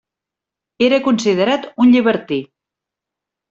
Era considerat un llibertí.